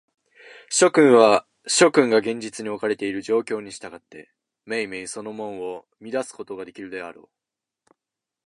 諸君は、諸君が現実におかれている状況に従って、めいめいその門を見出すことができるであろう。